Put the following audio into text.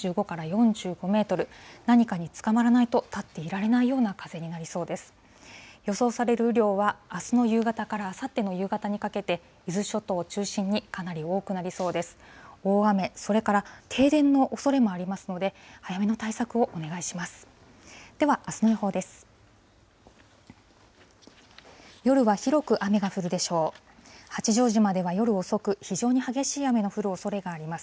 大雨、それから停電のおそれもありますので、早めの対策をお願いします。